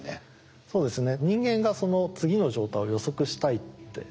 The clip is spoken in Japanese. そうですね。